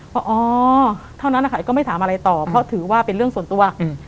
ว่าอ๋อเท่านั้นนะคะก็ไม่ถามอะไรต่อเพราะถือว่าเป็นเรื่องส่วนตัว